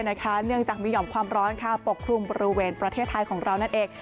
เนื่องจากมีห่อมความร้อนปกคลุมบริเวณประเทศไทยของเรานั่นเอง